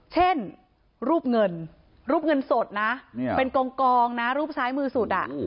เช่นรูปเงินรูปเงินสดนะเป็นกองนะรูปซ้ายมือสุด